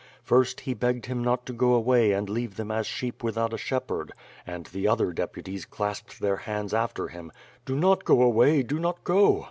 First, he begged him not to go away and leave them as sheep without a shepherd, and the other depu ties clasped their hands after him: "Do not go away, do not go!"